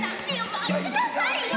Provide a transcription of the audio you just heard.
待ちなさいよ